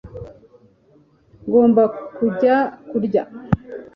ngomba kujya kurya